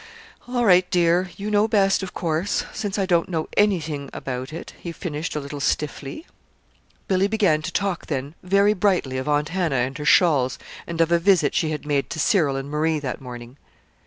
"All right, dear; you know best, of course since I don't know anything about it," he finished a little stiffly. Billy began to talk then very brightly of Aunt Hannah and her shawls, and of a visit she had made to Cyril and Marie that morning.